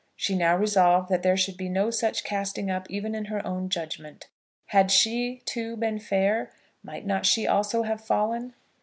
She now resolved that there should be no such casting up even in her own judgment. Had she, too, been fair, might not she also have fallen?